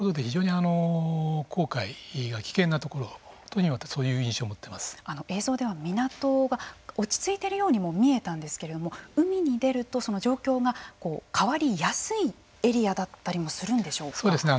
そういうことで、非常に航海が危険なところという映像では港は落ち着いてるようにも見えたんですけれども海に出るとその状況が変わりやすいエリアだったりもするんでしょうか。